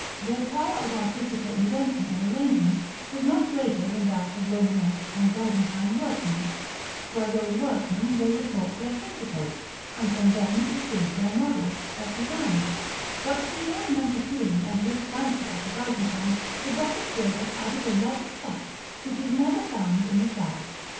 Their power of artistical invention or arrangement was not greater than that of Romanesque and Byzantine workmen: by those workmen they were taught the principles, and from them received their models, of design; but to the ornamental feeling and rich fancy of the Byzantine the Gothic builder added a love of fact which is never found in the South.